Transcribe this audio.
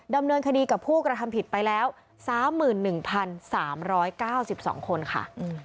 ดำเนินคดีกับผู้กระทำผิดไปแล้ว๓๑๓๙๒คนค่ะ